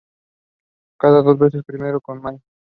Casado dos veces, primero con Mlle.